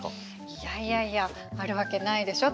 いやいやいやあるわけないでしょ